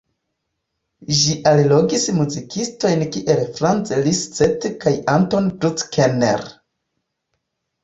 Ĝi allogis muzikistojn kiel Franz Liszt kaj Anton Bruckner.